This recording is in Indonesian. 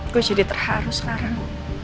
gue jadi terharu sekarang